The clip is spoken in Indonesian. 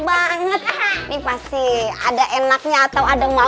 wah wah peternak juga kak